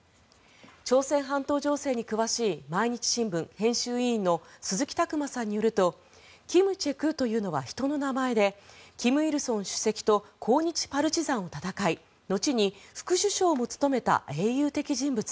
朝鮮半島情勢に詳しい毎日新聞編集委員の鈴木琢磨さんによるとキム・チェクというのは人の名前で金日成主席と抗日パルチザンを戦い後に副首相も務めた英雄的人物。